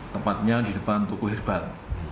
tempatnya di depan tukuhirbat